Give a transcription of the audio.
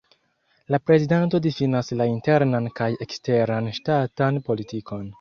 La prezidanto difinas la internan kaj eksteran ŝtatan politikon.